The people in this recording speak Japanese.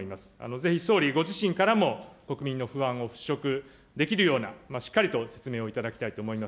ぜひ総理ご自身からも、国民の不安を払拭できるような、しっかりと説明をいただきたいと思います。